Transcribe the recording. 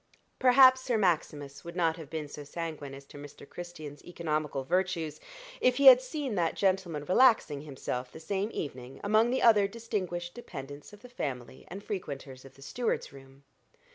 Perhaps Sir Maximus would not have been so sanguine as to Mr. Christian's economical virtues if he had seen that gentleman relaxing himself the same evening among the other distinguished dependents of the family and frequenters of the steward's room.